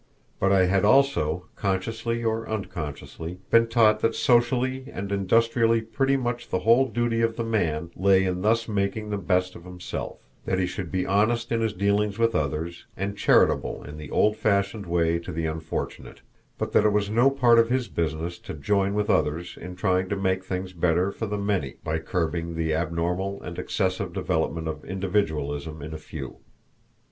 But I had also, consciously or unconsciously, been taught that socially and industrially pretty much the whole duty of the man lay in thus making the best of himself; that he should be honest in his dealings with others and charitable in the old fashioned way to the unfortunate; but that it was no part of his business to join with others in trying to make things better for the many by curbing the abnormal and excessive development of individualism in a few.